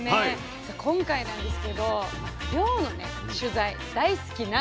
さあ今回なんですけど漁の取材大好きなんですけれども。